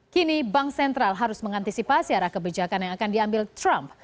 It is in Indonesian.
kini bank sentral harus mengantisipasi arah kebijakan yang akan diambil trump